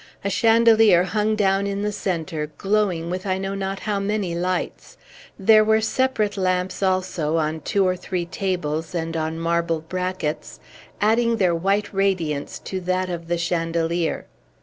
A chandelier hung down in the centre, glowing with I know not how many lights; there were separate lamps, also, on two or three tables, and on marble brackets, adding their white radiance to that of the chandelier.